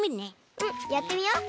うんやってみよう。